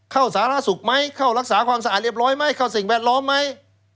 สาธารณสุขไหมเข้ารักษาความสะอาดเรียบร้อยไหมเข้าสิ่งแวดล้อมไหม